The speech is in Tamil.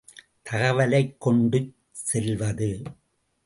தகவலைக் கொண்டுச் செல்வது.